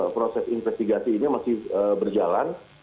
proses investigasi ini masih berjalan